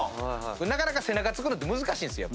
なかなか背中突くのって難しいんですよ